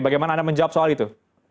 bagaimana anda menjawab soal itu